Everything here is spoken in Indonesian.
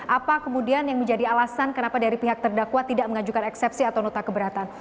apa kemudian yang menjadi alasan kenapa dari pihak terdakwa tidak mengajukan eksepsi atau nota keberatan